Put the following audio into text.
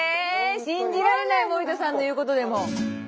信じられない森田さんの言うことでも。